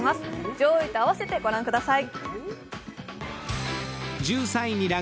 上位と合わせてご覧ください。